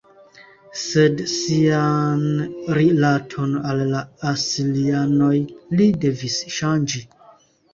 Sed sian rilaton al la asirianoj li devis ŝanĝi.